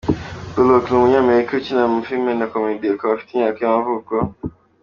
Bullock: Ni umunyamerika ukina amafilime na Comedy akaba afite imyaka y’amavuko.